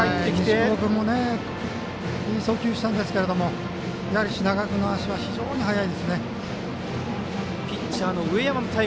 西窪君もいい送球したんですけれどもやはり品川君の足は非常に速いですね。